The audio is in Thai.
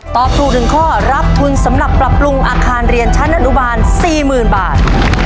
ตอบถูก๑ข้อรับทุนสำหรับปรับปรุงอาคารเรียนชั้นอนุบาล๔๐๐๐บาท